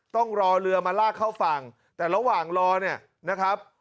ต้องรอเรือมาลากเข้าฝั่งแต่ระหว่างรอเนี่ยนะครับ